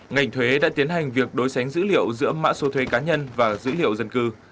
ngành thuế đã tiến hành việc đối sánh dữ liệu giữa mã số thuế cá nhân và dữ liệu dân cư